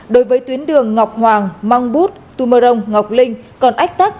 đối với tuyến đường ngọc hoàng mang bút tumarong ngọc linh còn ách tắc